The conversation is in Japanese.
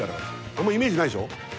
あんまりイメージないでしょ。